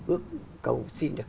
ước cầu xin được